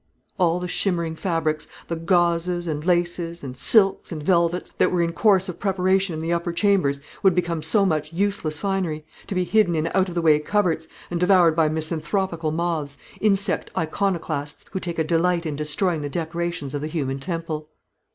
All the shimmering fabrics the gauzes, and laces, and silks, and velvets that were in course of preparation in the upper chambers would become so much useless finery, to be hidden in out of the way cupboards, and devoured by misanthropical moths, insect iconoclasts, who take a delight in destroying the decorations of the human temple.